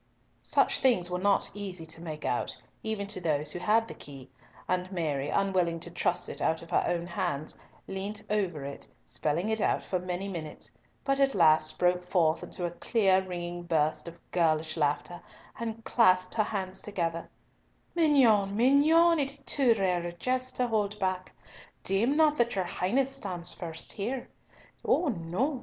Such things were not easy to make out, even to those who had the key, and Mary, unwilling to trust it out of her own hands, leant over it, spelling it out for many minutes, but at last broke forth into a clear ringing burst of girlish laughter and clasped her hands together, "Mignonne, mignonne, it is too rare a jest to hold back. Deem not that your Highness stands first here! Oh no!